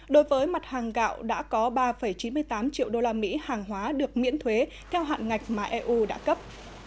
đối với mặt hàng gạo đã có ba chín mươi tám triệu usd hàng hóa được miễn thuế theo hạn ngạch mà eu đã cấp